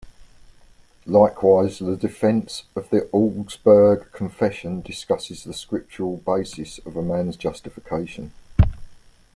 Likewise the Defense of the Augsburg Confession discusses the Scriptural basis of man's Justification.